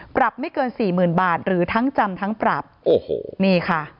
ปรับไม่เกินสี่หมื่นบาทหรือทั้งจำทั้งปรับโอ้โหนี่ค่ะ